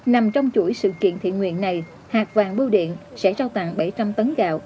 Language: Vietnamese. nằm trong chuỗi sự kiện thiện nguyện này hạt vàng bưu điện sẽ trao tặng bảy trăm linh tấn gạo